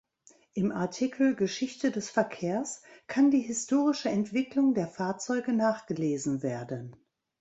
Im Artikel Geschichte des Verkehrs kann die historische Entwicklung der Fahrzeuge nachgelesen werden.